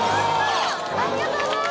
ありがとうございます。